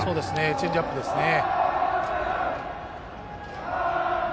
チェンジアップですね。